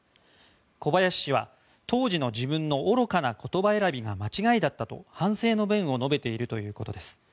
小林氏は当時の自分の愚かな言葉選びが間違いだったと、反省の弁を述べているということです。